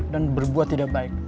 dan berbuat tidak baik